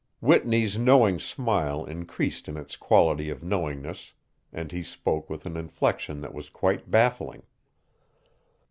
Whitney's knowing smile increased in its quality of knowingness and he spoke with an inflection that was quite baffling.